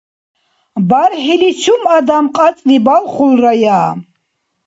БархӀилис чум адам кьацӀли балхулрая?